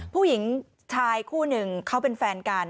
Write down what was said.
ผู้ชายคู่หนึ่งเขาเป็นแฟนกัน